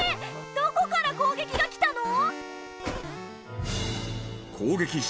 どこから攻撃がきたの？